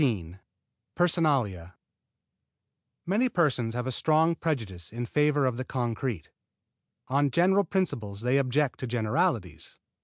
XIII PERSONALIA Many persons have a strong prejudice in favor of the concrete. On general principles they object to generalities.